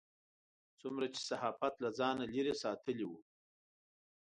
څومره چې صحافت له ځانه لرې ساتلی و.